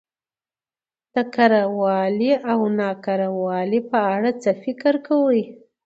د کره والي او نا کره والي په اړه څه فکر کوؽ